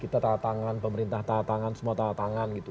kita tahan tangan pemerintah tahan tangan semua tahan tangan gitu